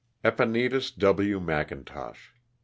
EPENETUS w. Mcintosh.